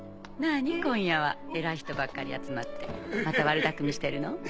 なぁに今夜は偉い人ばっかり集まってまた悪だくみしてるの？